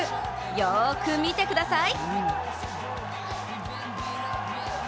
よーく見てください！